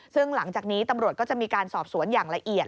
ซึ่งหลังจากนี้ตำรวจก็จะมีการสอบสวนอย่างละเอียด